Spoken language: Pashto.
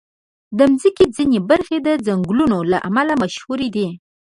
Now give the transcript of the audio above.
د مځکې ځینې برخې د ځنګلونو له امله مشهوري دي.